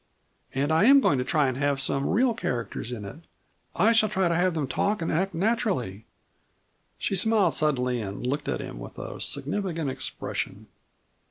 And I am going to try and have some real characters in it. I shall try to have them talk and act naturally." She smiled suddenly and looked at him with a significant expression.